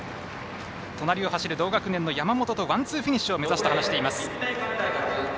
隣を走る同学年の山本とワンツーフィニッシュを目指すと話しています。